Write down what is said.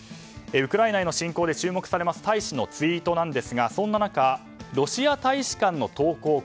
ウクライナへの侵攻で注目される大使のツイートですがそんな中、ロシア大使館の投稿